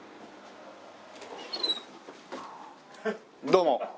どうも。